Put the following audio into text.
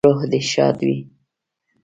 روح دې ښاد وي